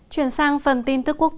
chuyển sang phần tin tức quốc tế